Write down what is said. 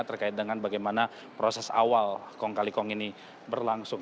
terkait dengan bagaimana proses awal kongkali kong ini berlangsung